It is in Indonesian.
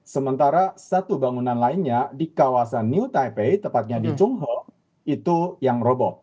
sementara satu bangunan lainnya di kawasan new tipe tepatnya di chungho itu yang robo